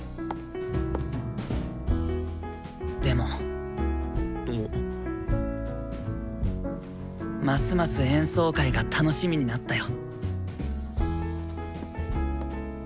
でもますます演奏会が楽しみになったよ。